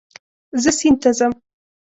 زه سیند ته ځم